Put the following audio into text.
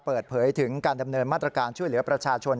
เปิดเผยถึงการดำเนินมาตรการช่วยเหลือประชาชน